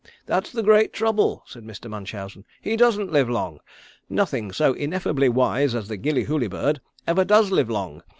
"That's the great trouble," said Mr. Munchausen. "He doesn't live long. Nothing so ineffably wise as the Gillyhooly bird ever does live long.